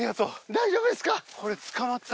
大丈夫ですか？